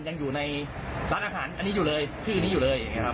ยังอยู่ในร้านอาหารอันนี้อยู่เลยชื่อนี้อยู่เลยอย่างนี้ครับ